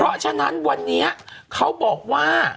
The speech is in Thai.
เพราะฉะนั้นวันนี้เขาบอกว่า